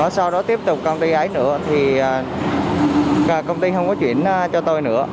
sau đó tiếp tục công ty ấy nữa thì công ty không có chuyển cho tôi nữa